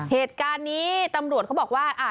เหตุการณ์นี้ตำรวจเขาบอกว่า